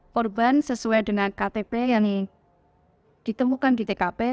korban sesuai dengan ktp yang ditemukan di tkp